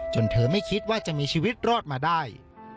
เธอไม่คิดว่าจะมีชีวิตรอดมาได้